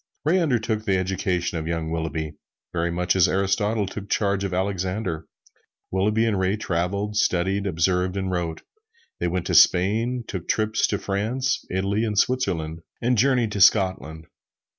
Ray undertook the education of young Willughby, very much as Aristotle took charge of Alexander. Willughby and Ray traveled, studied, observed and wrote. They went to Spain, took trips to France, Italy and Switzerland, and journeyed to Scotland.